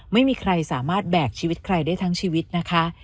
ไม่มีใครสามารถแบกชีวิตใครได้ทั้งชีวิตนะคะ